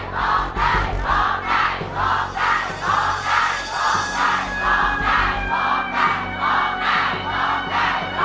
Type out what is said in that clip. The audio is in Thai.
โทษให้โทษให้โทษให้โทษให้โทษให้